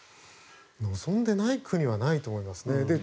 望んでない国はないと思います。